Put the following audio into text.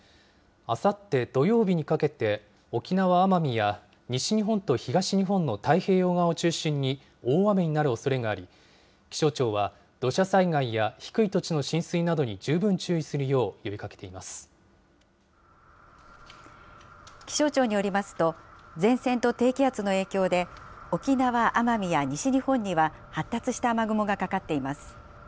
あさって土曜日にかけて、沖縄・奄美や西日本と東日本の太平洋側を中心に大雨になるおそれがあり、気象庁は、土砂災害や低い土地の浸水などに十分注意する気象庁によりますと、前線と低気圧の影響で、沖縄・奄美や西日本には、発達した雨雲がかかっています。